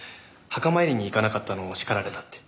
墓参りに行かなかったのを叱られたって。